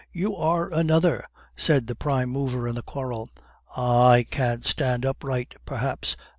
"You are another!" said the prime mover in the quarrel. "Ah, I can't stand upright, perhaps?"